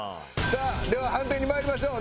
さあでは判定にまいりましょう。